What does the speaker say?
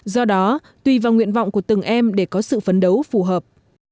do đó tùy vào nguyện vọng của từng em để có sự phấn đấu phù hợp